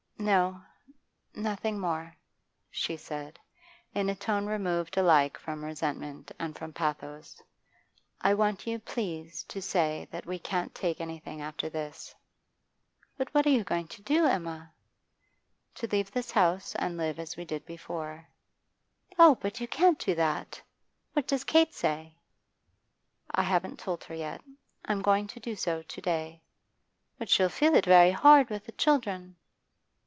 'No, nothing more,' she said, in a tone removed alike from resentment and from pathos; 'I want you, please, to say that we can t take anything after this.' 'But what are you going to do, Emma?' 'To leave this house and live as we did before.' 'Oh, but you can't do that What does Kate say?' 'I haven't told her yet; I'm going to do so to day.' 'But she'll feel it very hard with the children.